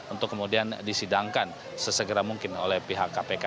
untuk kemudian disidangkan sesegera mungkin oleh pihak kpk